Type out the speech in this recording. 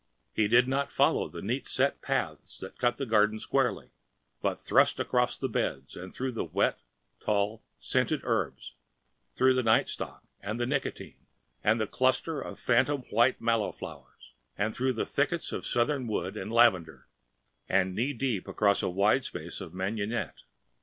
He did not follow the neat set paths that cut the garden squarely, but thrust across the beds and through the wet, tall, scented herbs, through the night stock and the nicotine and the clusters of phantom white mallow flowers and through the thickets of southern wood and lavender, and knee deep across a wide space of mignonette.